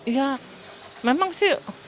iya memang sih